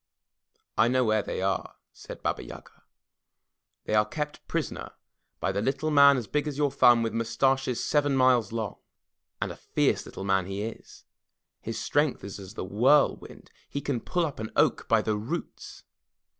*T know where they are," said Baba Yaga. *They are kept prisoner by the Little Man As Big As Your Thumb With Mus taches Seven Miles Long. And a fierce little man is he. His strength is as the whirlwind. He can pull up an oak by the roots